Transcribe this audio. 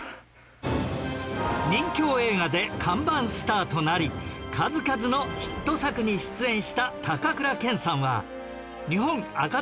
任侠映画で看板スターとなり数々のヒット作に出演した高倉健さんは